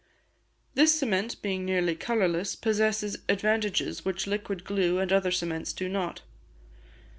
This cement being nearly colourless, possesses advantages which liquid glue and other cements do not.